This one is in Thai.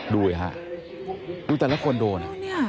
ดูสิฮะดูแต่ละคนโดน